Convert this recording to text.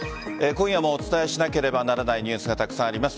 今夜もお伝えしなければならないニュースがたくさんあります。